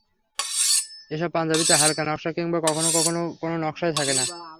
এসব পাঞ্জাবিতে হালকা নকশা কিংবা কখনো কখনো কোনো নকশাই থাকে না।